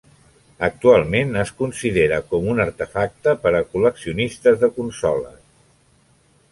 Actualment es considera com un artefacte per a col·leccionistes de consoles.